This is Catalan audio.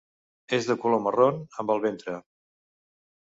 És de color marró, amb el ventre.